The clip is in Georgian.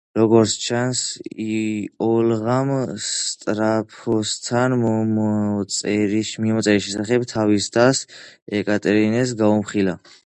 როგორც ჩანს, ოლღამ სატრფოსთან მიმოწერის შესახებ თავის დას, ეკატერინეს გაუმხილა.